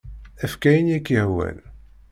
Efk ayen i ak-yehwan.